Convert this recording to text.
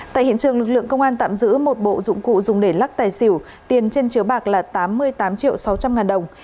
tại hiện trường lực lượng công an tạm giữ một bộ dụng cụ dùng để lắc tài xỉu tiền trên chiếu bạc là tám mươi tám triệu sáu trăm linh ngàn đồng